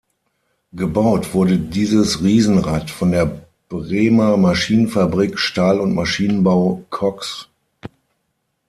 Gebaut wurde dieses Riesenrad von der Bremer Maschinenfabrik "Stahl- und Maschinenbau Kocks".